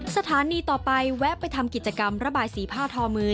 สถานีต่อไปแวะไปทำกิจกรรมระบายสีผ้าทอมือ